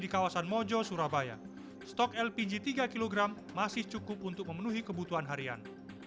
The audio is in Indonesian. di kawasan mojo surabaya stok lpg tiga kg masih cukup untuk memenuhi kebutuhan harian